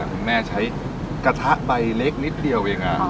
คุณแม่ใช้กระทะใบเล็กนิดเดียวเอง